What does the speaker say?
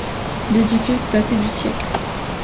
L'édifice datait du siècle.